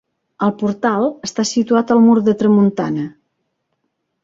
El portal està situat al mur de tramuntana.